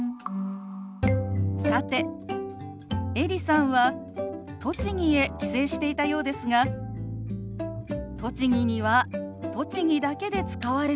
さてエリさんは栃木へ帰省していたようですが栃木には栃木だけで使われる手話